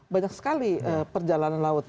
banyak sekali perjalanan laut